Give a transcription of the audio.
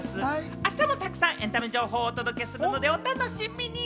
明日も沢山エンタメ情報をお届けするので、お楽しみに。